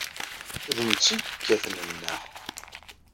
D netta ay yekkaten nneḥ.